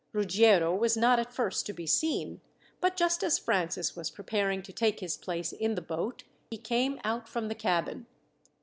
Ruggiero was not at first to be seen, but just as Francis was preparing to take his place in the boat, he came out from the cabin.